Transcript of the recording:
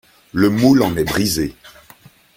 Le moule en est brisé.